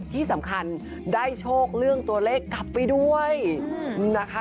ที่สำคัญได้โชคเรื่องตัวเลขกลับไปด้วยนะคะ